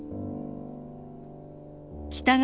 北川